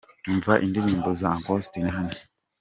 Umva indirimbo za Uncle Austin hano.